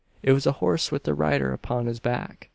It was a horse with a rider upon his back.